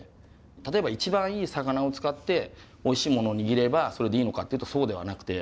例えば一番いい魚を使っておいしいものを握ればそれでいいのかというとそうではなくて。